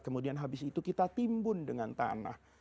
kemudian habis itu kita timbun dengan tanah